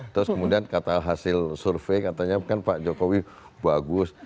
terus kemudian kata hasil survei katanya kan pak jokowi bagus